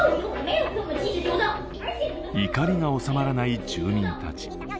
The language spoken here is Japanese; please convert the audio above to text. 怒りが収まらない住民たち。